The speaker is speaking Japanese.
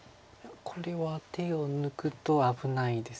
これは手を抜くと危ないです。